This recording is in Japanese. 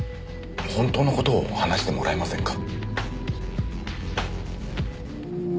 本当の事を話してもらえませんか？